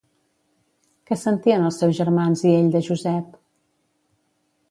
Què sentien els seus germans i ell de Josep?